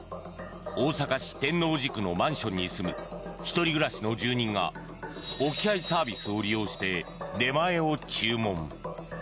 大阪市天王寺区のマンションに住む１人暮らしの住人が置き配サービスを利用して出前を注文。